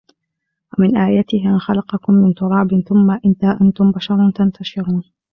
وَمِنْ آيَاتِهِ أَنْ خَلَقَكُمْ مِنْ تُرَابٍ ثُمَّ إِذَا أَنْتُمْ بَشَرٌ تَنْتَشِرُونَ